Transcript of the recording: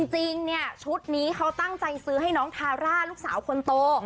จริงเนี่ยชุดนี้เขาตั้งใจซื้อให้น้องทาร่าลูกสาวคนโต